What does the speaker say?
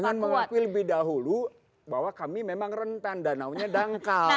dengan mengakui lebih dahulu bahwa kami memang rentan danau nya dangkal